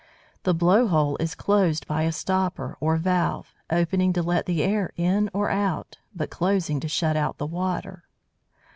The blow hole is closed by a stopper or valve, opening to let the air in or out, but closing to shut out the water.